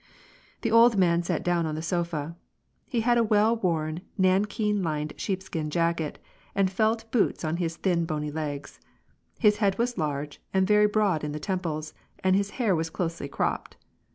The old man sat down on the sofa. He had on a well worn, nankeen lined sheepskin jacket, and felt boots on his thin, bony legs ; his head was large, and very broad in the temples, and his hair was closely cropped.